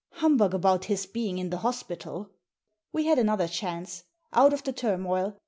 " Humbug about his being in the hospital!" We had another chance. Out of the turmoil.